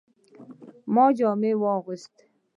ما جامې واغستې